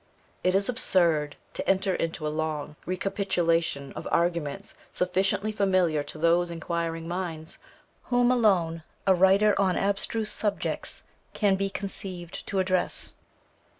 It is absurd to enter into a long recapitulation of arguments sufficiently familiar to those inquiring minds, whom alone a writer on abstruse subjects can be conceived to address.